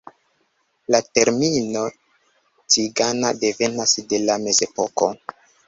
La termino "cigana" devenas de la mezepoko.